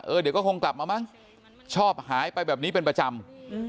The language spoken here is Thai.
เดี๋ยวก็คงกลับมามั้งชอบหายไปแบบนี้เป็นประจำ